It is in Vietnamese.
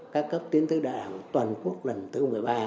các cấp tiến sư đại đảng toàn quốc lần thứ một mươi ba